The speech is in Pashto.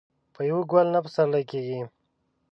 په يوه ګل نه پسرلی کېږي.